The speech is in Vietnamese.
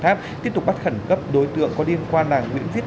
hình ảnh quen thuộc của làng quê việt